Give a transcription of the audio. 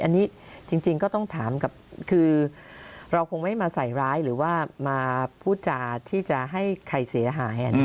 อันนี้จริงก็ต้องถามกับคือเราคงไม่มาใส่ร้ายหรือว่ามาพูดจาที่จะให้ใครเสียหาย